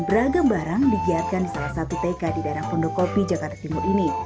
beragam barang digiatkan di salah satu tk di daerah pondokopi jakarta timur ini